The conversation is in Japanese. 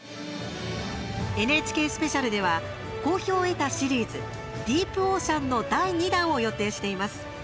ＮＨＫスペシャルでは好評を得たシリーズ「ＤＥＥＰＯＣＥＡＮ」の第２弾を予定しています。